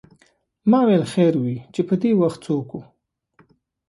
ما ویل خیر وې چې پدې وخت څوک و.